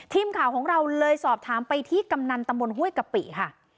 ทีมข่าวของเราเลยสอบถามไปที่กำนันตำบลห้วยกะปิค่ะ